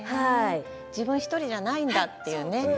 自分１人じゃないんだというね。